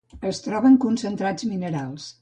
Es troba en concentrats de minerals.